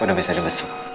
gimana bisa dia besuk